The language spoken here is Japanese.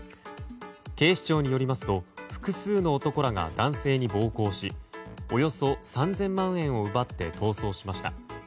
警視庁によりますと複数の男らが男性に暴行しおよそ３０００万円を奪って逃走しました。